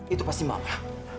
itu pasti mama